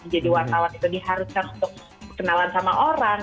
jadi warna warna itu diharuskan untuk kenalan sama orang